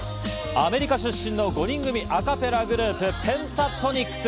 アメリカ出身の５人組アカペラグループ、ペンタトニックス。